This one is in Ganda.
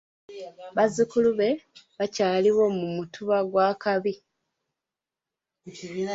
Bazzukulu be bakyaliwo mu Mutuba gwa Kabi.